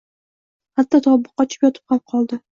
Hatto, tobi qochib, yotib ham qoldi